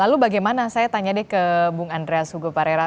lalu bagaimana saya tanya deh ke bung andreas hugo parera